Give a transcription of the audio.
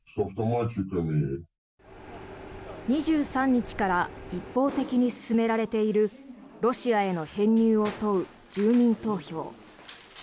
２３日から一方的に進められているロシアへの編入を問う住民投票。